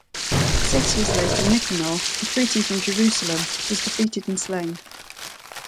Six years later Nicanor, retreating from Jerusalem, was defeated and slain.